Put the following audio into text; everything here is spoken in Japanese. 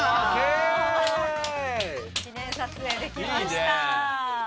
記念撮影できました。